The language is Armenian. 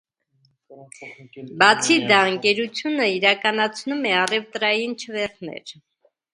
Բացի դա, ընկերությունը իրականացնում է առևտրային չվերթներ։